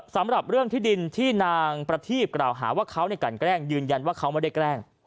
สำหรับเรื่องที่ดินที่นางประทีบกล่าวหาว่าเขากันแกล้งยืนยันว่าเขาไม่ได้แกล้ง